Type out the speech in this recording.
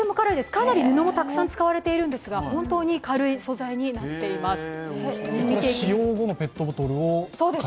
かなり布もたくさん使われているんですが軽い素材になっています。